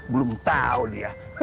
belum tau dia